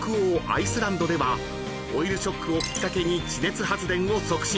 アイスランドではオイルショックをきっかけに地熱発電を促進］